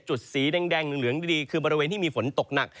สีแดงเหลืองดีคือบริเวณที่มีฝนตกหนัก